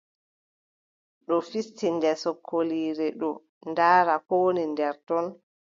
Ɗo fisti nder sokoliire ɗo ndaara ko woni nder ton.